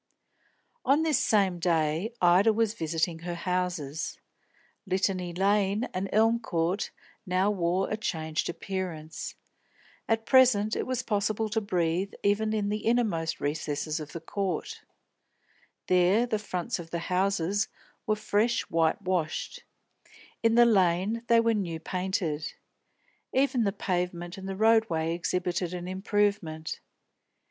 On this same day, Ida was visiting her houses. Litany Lane and Elm Court now wore a changed appearance. At present it was possible to breathe even in the inmost recesses of the Court. There the fronts of the houses were fresh white washed; in the Lane they were new painted. Even the pavement and the road way exhibited an improvement.